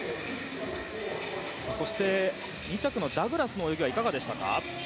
そして、２着のダグラスの泳ぎはいかがでしたか。